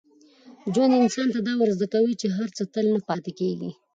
ژوند انسان ته دا ور زده کوي چي هر څه تل نه پاتې کېږي.